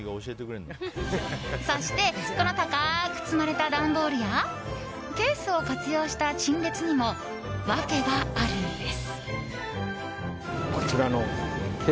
そしてこの高く積まれた段ボールやケースを活用した陳列にも訳があるんです。